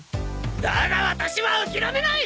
だがワタシは諦めない！